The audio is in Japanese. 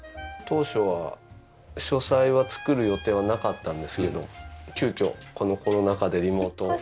当初は書斎は造る予定はなかったんですけど急きょこのコロナ禍でリモート。